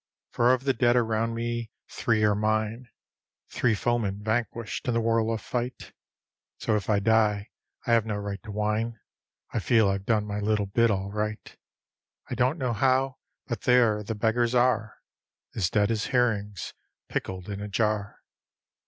For of the dead around me three are mine, Three foemen vanquished in the whirl of fight; So if I die I have no right to whine, I feel I've done my little bit all right. I don't know how but there the beggars are, As dead as herrings pickled in a jar.